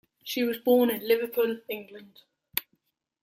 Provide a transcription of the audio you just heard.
She was born in Liverpool, England.